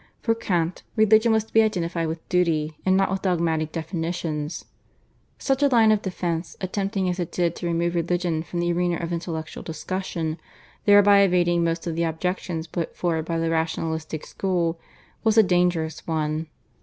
For Kant religion was to be identified with duty and not with dogmatic definitions. Such a line of defence, attempting as it did to remove religion from the arena of intellectual discussion, thereby evading most of the objections put forward by the rationalistic school, was a dangerous one.